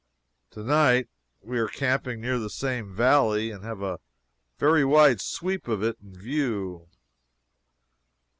To night we are camping near the same valley, and have a very wide sweep of it in view.